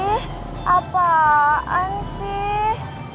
ih apaan sih